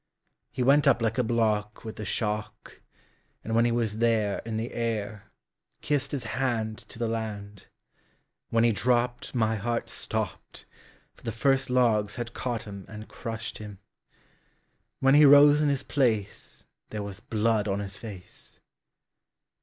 He went up like a blockWith the shock; And when he was there, In the air, Kissed his handTo the land. When he droppedMy heart stopped, For the first logs had caught himAnd crushed him; When he rose in his placeThere was blood on his face.